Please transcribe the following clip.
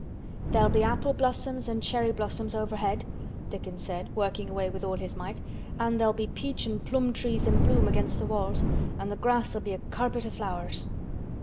"There'll be apple blossoms an' cherry blossoms overhead," Dickon said, working away with all his might. "An' there'll be peach an' plum trees in bloom against th' walls, an' th' grass'll be a carpet o' flowers."